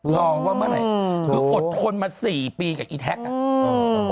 รอว่าเมื่อไหร่คืออดทนมา๔ปีกับอีแท็กอ่ะ